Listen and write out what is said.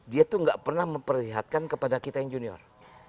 dia tuh gak pernah memperlihatkan kepada kita yang junior